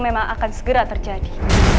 memang akan segera terjadi